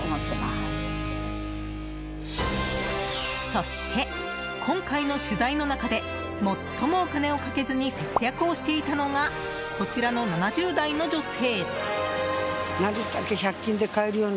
そして、今回の取材の中で最もお金をかけずに節約をしていたのがこちらの７０代の女性。